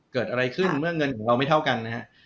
เกิดอะไรขึ้นเมื่อเงินของเราไม่เท่ากันนะครับ